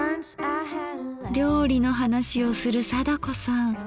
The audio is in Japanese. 料理の話をする貞子さん